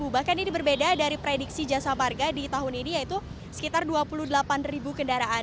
bahkan ini berbeda dari prediksi jasa marga di tahun ini yaitu sekitar dua puluh delapan ribu kendaraan